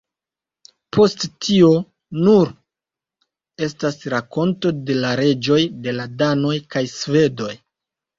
Post tio nur estas rakonto de la reĝoj de la Danoj kaj Svedoj.